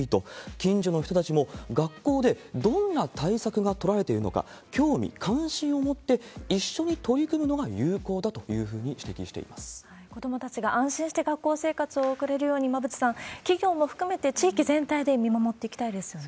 近所の人たちも学校でどんな対策が取られているのか、興味、関心を持って一緒に取り組むのが有効だというふうに指摘し子どもたちが安心して学校生活を送れるように、馬渕さん、企業も含めて地域全体で見守っていきたいですよね。